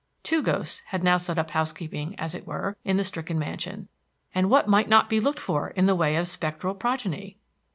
Two ghosts had now set up housekeeping, as it were, in the stricken mansion, and what might not be looked for in the way of spectral progeny!